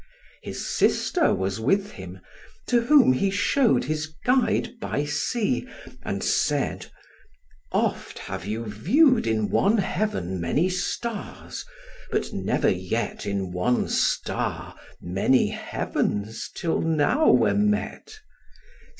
His sister was with him; to whom he show'd His guide by sea, and said, "Oft have you view'd In one heaven many stars, but never yet In one star many heavens till now were met.